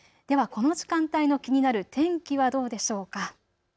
この時間帯の気になる天気はどうでしょうか。